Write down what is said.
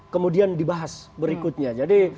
kemudian dibahas berikutnya jadi